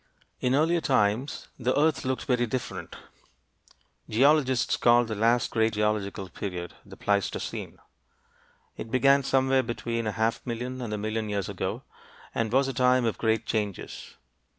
In earlier times the earth looked very different. Geologists call the last great geological period the Pleistocene. It began somewhere between a half million and a million years ago, and was a time of great changes.